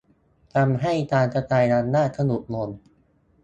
ทำให้การกระจายอำนาจสะดุดลง